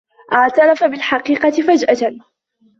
اعترَف بالحقيقة فجأةً.